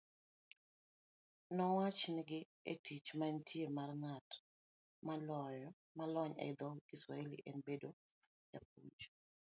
Nowachnigi ni tich manitie mar ng'at molony e dho Kiswahili en bedo japuonj